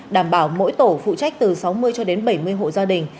đảm bảo mỗi tổ phụ trách từ sáu mươi cho đến bảy mươi hộ gia đình